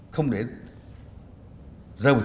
không để ra một thế bị đậm đối đặc